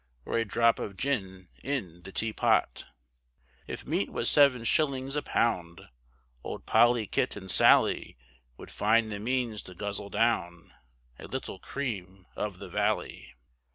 Or a drop of gin in the teapot. If meat was seven shillings a pound, Old Polly, Kit, and Sally, Would find the means to guzzle down, A little cream of the valley.